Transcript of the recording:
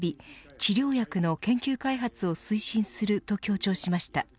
治療薬の研究開発を推進すると強調しました。